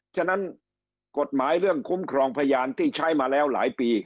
ฉะนั้นกฎหมายเรื่องคุ้มครองพยานที่ใช้มาแล้วหลายปี